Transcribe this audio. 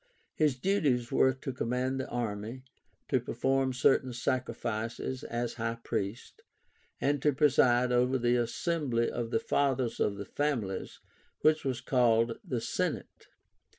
His duties were to command the army, to perform certain sacrifices (as high priest), and to preside over the assembly of the Fathers of the families, which was called the SENATE, i.